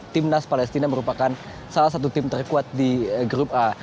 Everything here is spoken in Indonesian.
timnas palestina merupakan salah satu tim terkuat di grup a